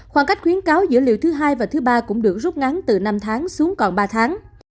khoảng cách khuyến cáo dữ liệu thứ hai và thứ ba cũng được rút ngắn từ năm tháng xuống còn ba tháng